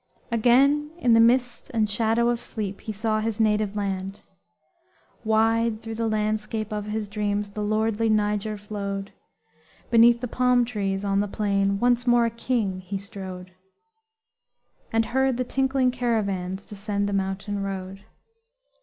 Again, in the mist and shadow of sleep, He saw his Native Land. Wide through the landscape of his dreams The lordly Niger flowed; Beneath the palm trees on the plain Once more a king he strode; And heard the tinkling caravans Descend the mountain road.